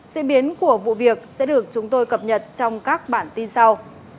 diễn biến của vụ việc sẽ được chúng tôi cập nhật trong các bản tin sau